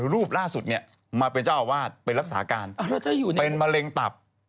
รูปล่าสุดเนี่ยมาเป็นเจ้าอาวาสเป็นรักษาการเป็นมะเร็งตับ